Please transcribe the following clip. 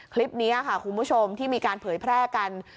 คลิปนี้ค่ะคุณผู้ชมที่มีการเผยแพร่กัน